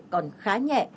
còn khá nhẹ